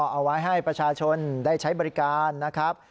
เอาไว้ให้ประชาชนได้ใช้บริการนะครับ